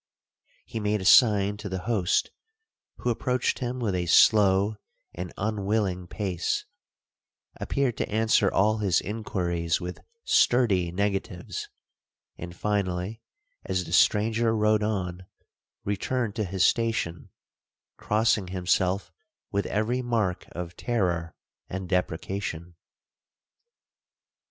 He made a sign to the host, who approached him with a slow and unwilling pace,—appeared to answer all his inquiries with sturdy negatives,—and finally, as the stranger rode on, returned to his station, crossing himself with every mark of terror and deprecation.